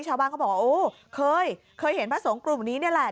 ชาวบ้านเขาบอกอู้เคยเคยเห็นพระสงกรุบนี้นี่แหละ